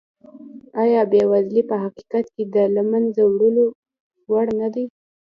ایا بېوزلي په حقیقت کې د له منځه وړلو وړ نه ده؟